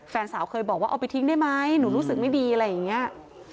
แฟนสาวเคยบอกว่าเอาไปทิ้งได้ไหมหนูรู้สึกไม่ดีอะไรอย่างนี้